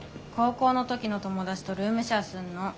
高校の時の友達とルームシェアすんの。